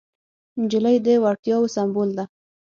نجلۍ د وړتیاوو سمبول ده.